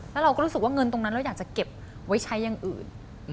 แล้วเราก็รู้สึกว่าเงินตรงนั้นเราอยากจะเก็บไว้ใช้อย่างอื่น